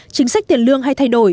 chính sách tiền lương hay thay đổi